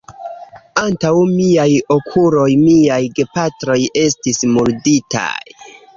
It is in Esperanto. Antaŭ miaj okuloj miaj gepatroj estis murditaj.